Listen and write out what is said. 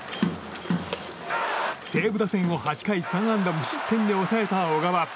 西武打線を８回３安打無失点で抑えた小川。